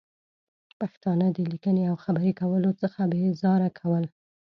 پښتانه د لیکنې او خبرې کولو څخه بې زاره کول